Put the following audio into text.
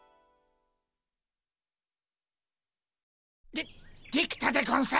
でできたでゴンス！